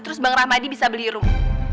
terus bang rahmadi bisa beli room